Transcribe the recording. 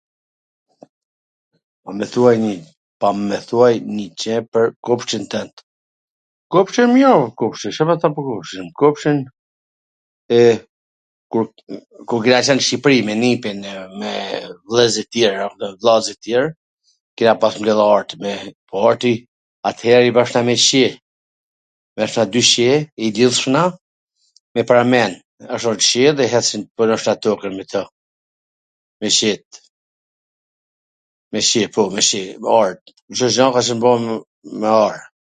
Mw thuaj nje gjw pwr kopshtin twnd. Kopshti im mir a kopshti, Ca t than pwr kopshtin, kopshtin, e , kur kena qwn n Shqipri me nipin, me vllezrit tjer a kupton, vllazrit tjer, kena pas mbjell arat me ... atwher i bajsha me qe, merrsha dy qe, i lidhshna me parmen, ashtu dy qe edhe ecshin, punojsha tokwn me to, me qet. Me qe, po me qe, nw art, Cdo gjw ka qwn bo nw ar.